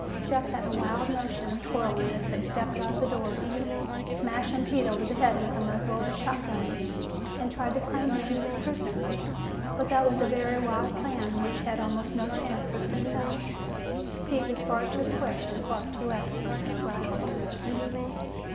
Jeff had a wild notion of whirling as they stepped out the door, smashing Pete over the head with the muzzle of his shotgun, and trying to claim him as prisoner. But that was a very wild plan which had almost no chance of success. Pete was far too quick and far too expert a rifleman.